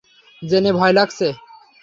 জেনে ভয় লাগছে?